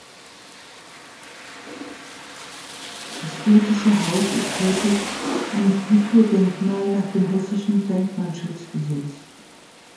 Das Gotische Haus ist heute ein Kulturdenkmal nach dem Hessischen Denkmalschutzgesetz.